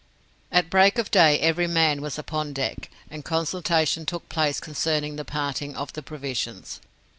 "At break of day every man was upon deck, and a consultation took place concerning the parting of the provisions.